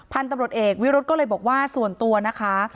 พันธุ์ตำรวจเอกวิรุธก็เลยบอกว่าส่วนตัวนะคะ